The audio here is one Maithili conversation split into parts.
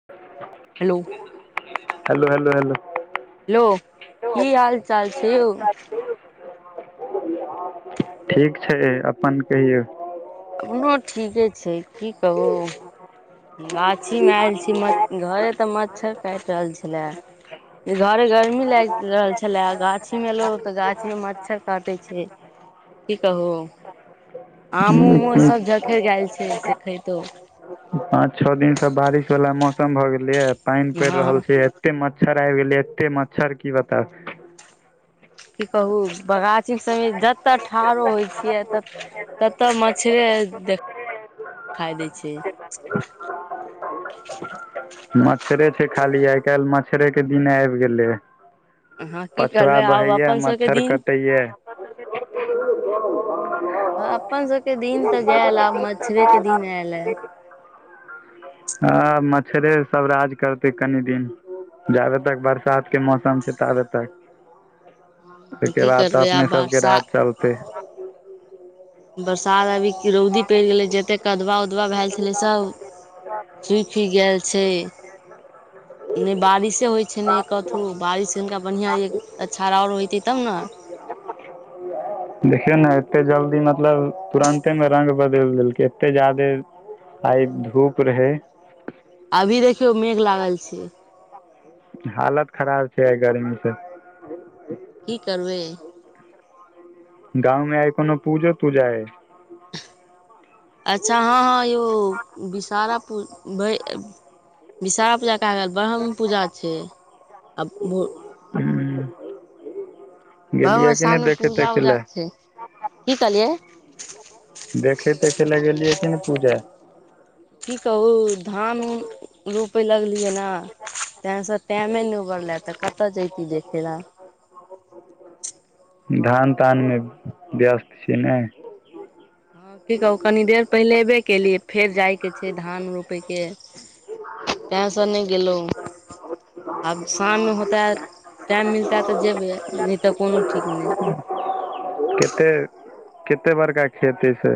ह [inaudible] hello hello hello hello hello की हाल चाल छै यौ [unintelligible] ठीक छै अपन कहियौ अपनो ठीके छै की कहू गाछ छी मे आयल छी घरे ते मच्छर काटि रहल छला घरे गर्मी लागि रहल छै छला गाछी मे एलों तऽ गाछी मे मच्छर काटै छै की कहू आमो हूँ उमो सब झखरि गेल छै से खइतहु पाँच छओ दिनसँ बारिश वाला मौसम भऽ गेलै पानि पड़ि रहल हँ छै एते मच्छर आबि गेलै एते मच्छर की बताउ की कहू बगाछीक सहित जतऽ ठारो होइ छियै तत त तऽ मच्छरे देख खाइ दै छै [unintelligible] मच्छरे छै खाली आइ काल्हि मच्छरे के दिन आबि गेलै अहाँ की पछवा करबै आब बहैया अपन सबके मच्छर दिन कटैया अपन सबके दिन तऽ गेल आब मच्छरे के दिन आयल ह [unintelligible] ह मच्छरे सब राज करतै कनि दिन जाबे तक बरसात के मौसम छै ताबे तक ओइके की बाद तऽ करबै आब अपने सबके बरसा राज चलतै बरसात अभी रौदी पड़ि गेलै जतेक कदवा उदवा भेल छलै सब सूखि गेल छै नइ बारिशे होइ छै ने कथहू बारिश हिनका बन्हिया एक अछार आउरो होइतै तब ने [unintelligible] देखियौ न एते जल्दी मतलब तुरंते मे रंग बदलि देलकै एते जादे आइ धूप रहै अभी देखियौ मेघ लागल छै हालत खराब छै आय गर्मी से की करबै गाँव मे आइ कोनो पूजो तुजा अइ [inaudible] अच्छा हँ हँ यौ विषहारा पूजा बय विषहरा पूजा कहा गेल ब्रह्म पूजा छै आ भो हं गेलियै ब्रह्म कि नहि स्थानमे देखे पूजा तेखै उजा लए छै की कहलियै देखे तेखे लए गेलियै कि ने पूजा की कहू धान उन रोपै लगलियै ने तैहिसँ टाइमे नहि उबरलै तऽ कतय जयैती देखय लए धान तानमे व्यस्त छियै ने हँ की कहू कनी देर पहिले एबे केलियै फेर जाइके छै धान रोप पै के तें स नहि गेलहुं आब शाम मे होता है टाइम मिलतऽ तऽ जेबे नहि तऽ कोनो ठीक नहि केते केते बड़का खेती छै से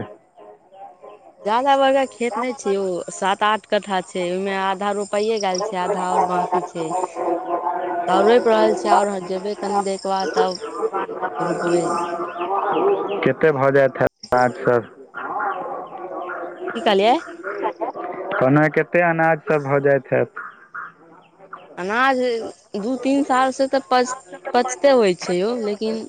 जादा बरका खेत ने छै ओ सात आठ कट्ठा छै ओहिमे आधा रोपाइये गाएल छै आधा और बाँकी छै [unintelligible] तब रोपि रहल छै आओर जेबै कनि देरके बाद तब रुकबै कतेक भऽ जायत हैत काज सब [unintelligible] की कहलियै कहलऊ कतेक अनाज सभ भऽ जाइत हैत [unintelligible] अनाज दू तीन सालसँ तऽ पच पचते होइ छै यौ लेकिन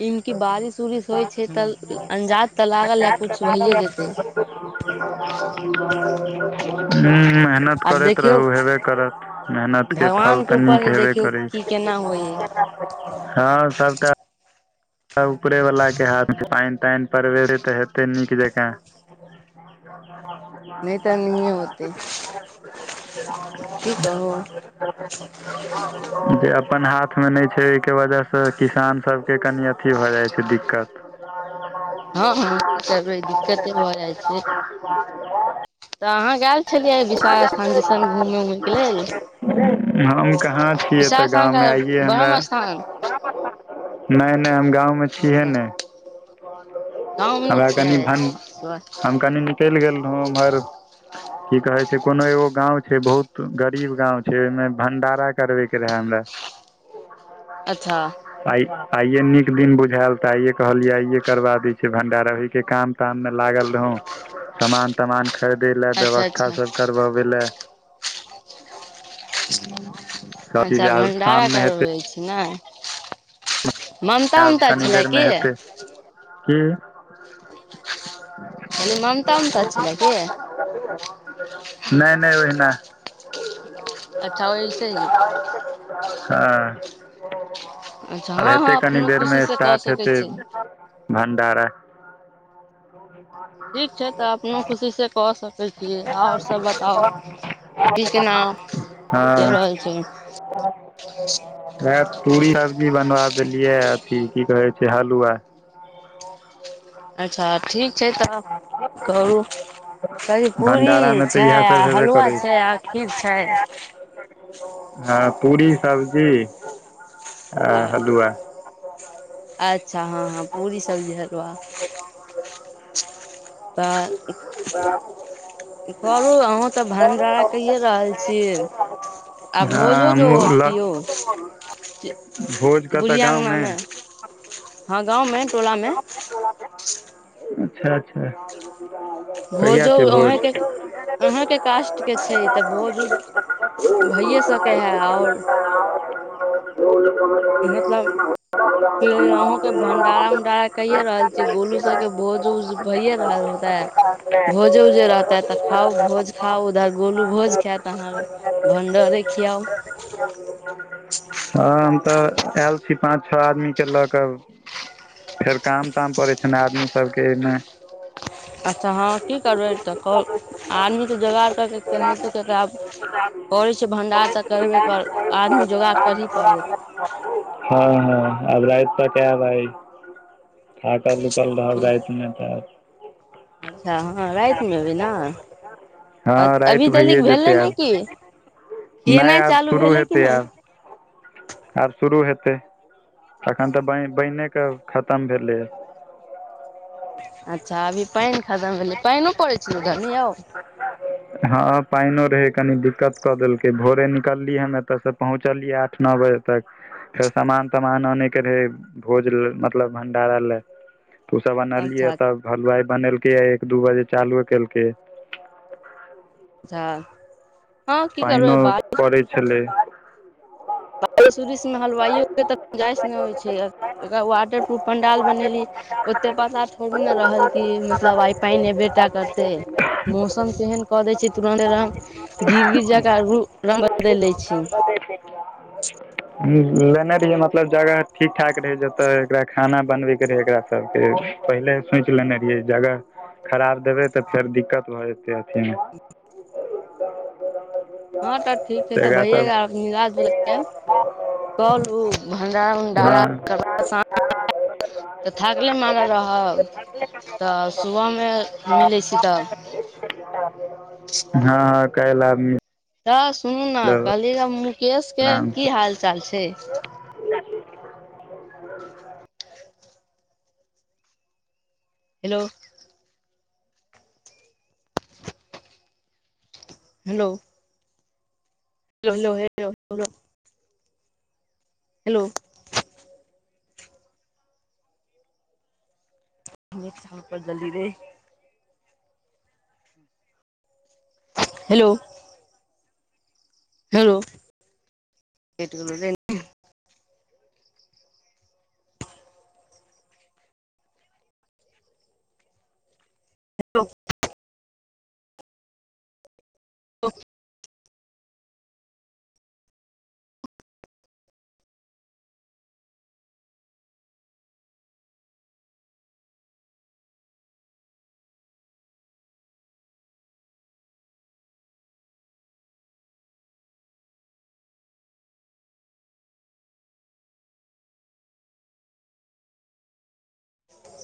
इ मे क बारिश उरिश होय छै त अंजाद तऽ लागल हैत [unintelligible] मेहनत आब करैत देखियौ रहू हेबे करत मेहनत के फल भगवानके तऽ ऊपर नीक है हेबे देखियौ करै की छै केना होइ हइ हँ सबटा उपरे वाला के हाथ पानि तानि परवेरे तऽ हेतै नीक जकाँ नहि तऽ नहिए होतै की कहू [unintelligible] जे अपन हाथ मे नहि छै ओहिके वजह से किसान सबके कनि अथी भऽ जाइ छै दिक्कत हँ हँ की करबै दिक्कते भऽ जाइ छै [unintelligible] तऽ अहाँ गेल छलियै विशाल स्थान दिसन घूमै उमयके लेल हम कहाँ छी छ तऽ विशाल गाँवमे आइे स्थानके हमरा ब्रह्म स्थान नहि नहि हम गाँव मे छियै ने गाँवमे नहि हमरा कनि भन छियै हम कनि निकलि गेल रहौ उम्हर की कहै छै कोनो एगो गाँं छै बहुत गरीब गाँं छै ओहिमे भंडारा करबै रहै हमरा अच्छा आ आइे नीक दिन बुझायल तऽ आइे कहलियै आइे करबा दै छी भंडारो अोहि के काम ताममे लागल रहौं समान सामान खरीदै लए अच्छा व्यवस्था अच्छा सब करबाबै लए [unintelligible] चीज अच्छा आब भण्डारा शाम मे हेतै करबै छी ने ममता आब उमता कनी छलै देरमे की हेतै की कहली मनता उमता छलै की नहि नहि ओहिना अच्छा ओइसे ही हँ अच्छा हँ हँ कनि अपनो देर मे खुशी से कऽ स्टार्ट सकै हेतै छी भंडारा ठीक छै तऽ अपनो खुशी से कऽ सक की केना चलि हॅं रहल छै [unintelligible] वए पूड़ी सब्जी बनवा देलियै अथी की कहै छै हलुआ अच्छा ठीक छै त हम करू कही पूरी भंडारा मे तऽ छै इएह आ सब हेबे हलुआ करै छै आ खीर छै हँ पूरी सब्जी आ आ हलुआ [unintelligible] अच्छा हँ हँ पूरी सब्जी हलुआ तऽ [unintelligible] करू अहु तऽ भंडारा कहिे रहल छीियै आ हँ भोजो जो हमहूँ होत ल किो भोज कतऽ बुढ़िया गाँव मे अगनामे हँ गाँव में अच्छा अच्छा कहिया भोजो छै भोज अहेँके अहाँके कास्टके छै तऽ भोज उज भइए सकै हइ आओर [unintelligible] मतलब कि अहूँकेँ भन। भंडारा उंडारा कहि रहल छियै, गोलू सभकेँ भोजो भऽ रहल होते। भोजे उजैरहते तऽ खाउ, भोज खाउ। उधर गोलू भोज खायत अहाँकेँ। भण्डारे खियाउ हँ हम तऽ आयल छी पाँच छओ आदमीकेँ लऽ कऽ। फेर काम ताम पड़ै छै ने आदमी सभकेँमे। [inaudible] अच्छा हँ की करबै तऽ आदमीके जोगाड़ कऽ के [inaudible] केनाहितो कऽ के आब करै छै भण्डार तऽ करबे कर आदमी जोगाड़ करही पड़त हँ हँ, अबराइत तक अबै। थाकल उकल रहब की रातिमे तऽ। अच्छा हँ रातिमे अबै ने हँ अभी राति भऽ तलिक जाएत, भेलै ने आब की नहि खियेनाइ आब चालू शुरू भेलै कि हेतै नहि आब। आब शुरू हेतै, एखन तऽ बने कऽ। खतम भेलैए अच्छा, एखन पानि खतम भेलै, पाइनो पड़ै छल उधरनि आओर। हँ पानियो रहै, कनि दिक्कत कऽ देलकै। भोरे निकललियै ह एतऽसँ। पहुँचलियै आठ नओ बजे तक। फेर सामान तमान आनि के रहल रहे, भोज लऽ मतलब भंडारा लेल। तऽ ओ सभ अनलियै, अच्छा तखन हलुवाइ बनेलकै। एक दू बजे चालू केलकै। त [unintelligible] पानिओ पड़ैत छलै। बारिश उरिशमे हलुवाइयोकेँ तऽ गुंजाइश नहि होइ छै, ओकरा वाटरप्रूफ पंडाल बनौनेली। ओतऽ पता थोड़े ने रहल कि मतलब आइ पानि आबेटा करतै। मौसम तेहन कऽ दै छै तुरन्त गिर गिर जका रंग बदल लऽ छै। स [unintelligible] लेने रहिऐ म मतलब जगह ठीक ठाक रहै, जतऽ एकरा खाना बनबैके रहै, एकरा सभकेँ पहिले। सोचि लेने रहियै, जगह खराब देबै तऽ फेर दिक्कत भऽ जेतै एतऽमे। तगा सभ निलाजल कल भंडारा हँ उंडारा। तऽ थाकल मारल रहब तऽ सुबहमे मिलै छी तखन। हँ हँ, कैलय एभीए हो। तऽ सुनू ने, कहलियै मुकेशकेँ आरामसँ की हाल चाल छै? Hello hello hello hello hello छप जली र [unintelligible] हेलो हेलो, कट गेलो लाइनमे। दो [unintelligible] ब [unintelligible] [inaudible]